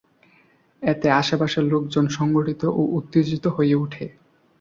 এতে আশেপাশের লোকজন সংগঠিত ও উত্তেজিত হয়ে ওঠে।